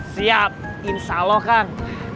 siap insya allah kang